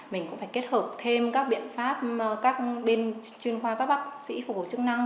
mình cũng phải kết hợp thêm các biện pháp các bên chuyên khoa các bác sĩ phục vụ chức năng